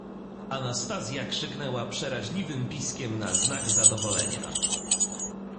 "Anastazja krzyknęła przeraźliwym piskiem na znak zadowolenia."